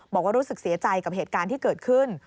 บอกว่ารู้สึกเสียใจกับเหตุการณ์ที่เกิดขึ้น